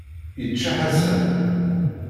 Yečča Ḥasan.